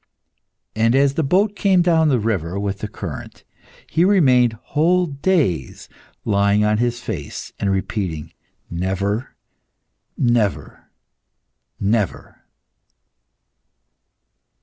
And as the boat came down the river with the current, he remained whole days lying on his face, and repeating "Never! never! never!"